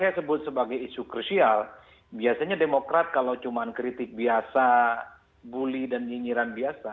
karena saya sebut sebagai isu krisial biasanya demokrat kalau cuma kritik biasa bully dan nyinyiran biasa